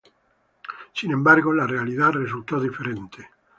Sin embargo la realidad resultó diferente.